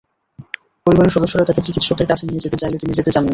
পরিবারের সদস্যরা তাঁকে চিকিৎসকের কাছে নিয়ে যেতে চাইলে তিনি যেতে চাননি।